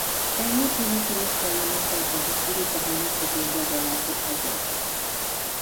Helmut tiene serios problemas para conducir y termina cediendo el volante a YoYo.